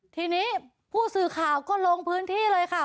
ทีนี้ผู้สื่อข่าวก็ลงพื้นที่เลยค่ะ